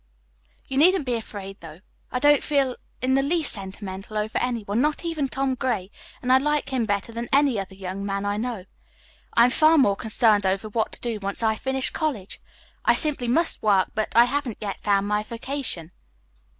"You needn't be afraid, though. I don't feel in the least sentimental over any one, not even Tom Gray, and I like him better than any other young man I know. I am far more concerned over what to do once I have finished college. I simply must work, but I haven't yet found my vocation.